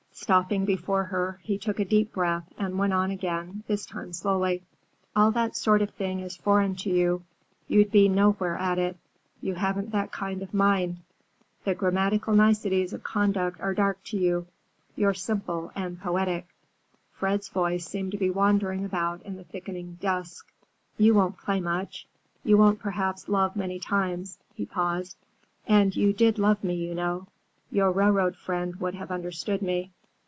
Stopping before her, he took a deep breath and went on again, this time slowly. "All that sort of thing is foreign to you. You'd be nowhere at it. You haven't that kind of mind. The grammatical niceties of conduct are dark to you. You're simple—and poetic." Fred's voice seemed to be wandering about in the thickening dusk. "You won't play much. You won't, perhaps, love many times." He paused. "And you did love me, you know. Your railroad friend would have understood me.